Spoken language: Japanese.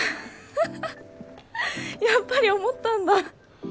やっぱり思ったんだ